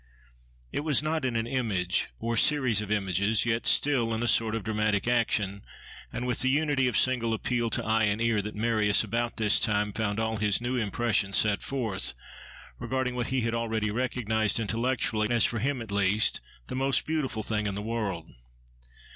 It was not in an image, or series of images, yet still in a sort of dramatic action, and with the unity of a single appeal to eye and ear, that Marius about this time found all his new impressions set forth, regarding what he had already recognised, intellectually, as for him at least the most beautiful thing in the world.